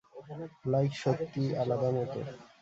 Like সত্যিই আলাদা মত।